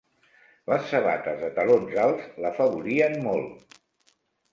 Les sabates de talons alts l'afavorien molt.